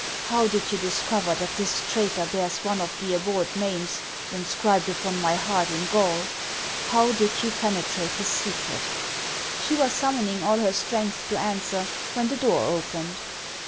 How did you discover that this traitor bears one of the abhorred names inscribed upon my heart in gall ? How did you penetrate his secret ?" She was summoning all her strength to answer, when the door opened.